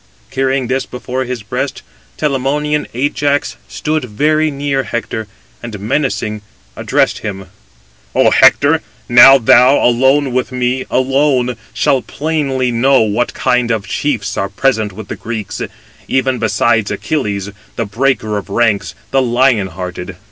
Carrying this before his breast, Telamonian Ajax stood very near Hector, and menacing addressed him: "Ο Hector, now thou, alone with me alone, shalt plainly know, what kind of chiefs are present with the Greeks, even besides Achilles, the breaker of ranks, the lion hearted.